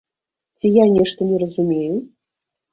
Ці я нешта не разумею?